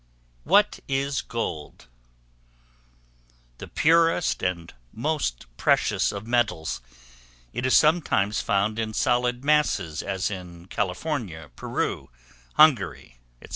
What is Gold? The purest and most precious of metals: it is sometimes found in solid masses, as in California, Peru, Hungary, &c.